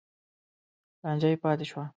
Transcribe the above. لانجه یې پاتې شوه.